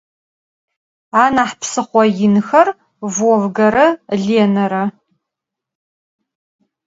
Anah psıxho yinxer Volgere Lênere.